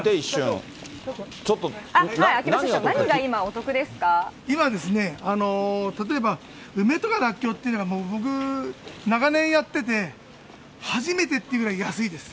秋葉社長、何が今、お得です今ですね、例えば梅とかラッキョウとかっていうのが、僕、長年やってて、初めてっていうぐらい安いです。